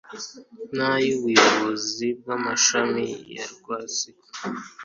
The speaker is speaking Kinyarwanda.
n ay ubuyobozi bw amashami ya rwasico